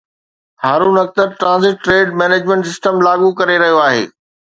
Haroon Akhtar transit trade management system لاڳو ڪري رهيو آهي